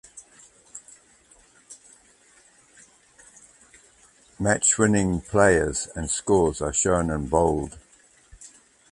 Match winning players and scores are shown in bold.